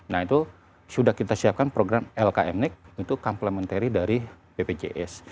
nah itu sudah kita siapkan program lkm nik itu complementary dari bpjs